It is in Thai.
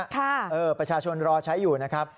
ค่ะเออประชาชนรอใช้อยู่นะครับ